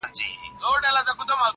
شپه تپېږم تر سهاره لکه مار پر زړه وهلی!